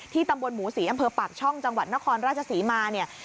ตำบลหมูศรีอำเภอปากช่องจังหวัดนครราชศรีมาเนี่ย